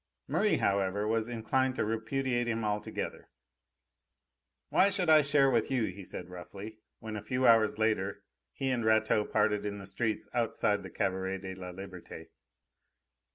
Merri, however, was inclined to repudiate him altogether. "Why should I share with you?" he said roughly, when, a few hours later, he and Rateau parted in the street outside the Cabaret de la Liberte.